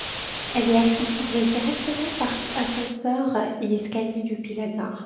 Elle est accessible directement par ascenseur et escaliers depuis la gare.